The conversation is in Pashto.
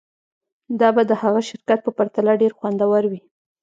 دا به د هغه شرکت په پرتله ډیر خوندور وي